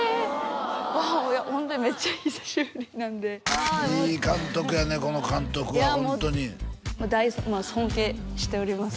うわホントにめっちゃ久しぶりなんでいい監督やねこの監督はホントに尊敬しております